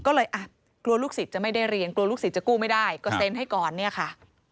ก็เลยอ่ะกลัวลูกศิษย์จะไม่ได้เรียนกลัวลูกศิษย์จะกู้ไม่ได้ก็เซ็นให้ก่อนเนี่ยค่ะ